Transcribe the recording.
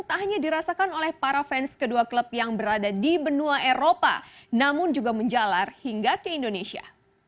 tak hanya dirasakan oleh para fans kedua klub yang berada di benua eropa namun juga menjalar hingga ke indonesia